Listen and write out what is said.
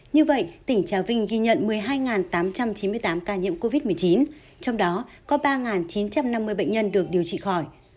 như vậy tỉnh trà vinh ghi nhận một mươi hai tám trăm chín mươi tám ca nhiễm covid một mươi chín trong đó có ba chín trăm năm mươi bệnh nhân được điều trị khỏi